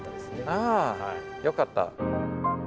ああよかった。